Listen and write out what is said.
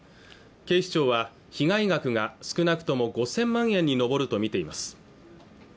警視庁は被害額が少なくとも５０００万円に上るとみています